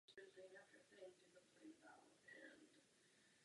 Začal se o tento sport zajímat více.